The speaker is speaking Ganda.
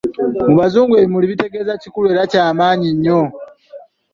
Mu bazungu ebimuli kitegeeza kikulu era kya maanyi nnyo.